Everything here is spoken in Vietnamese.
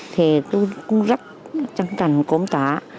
thì tôi cũng rất trân trành cổng tả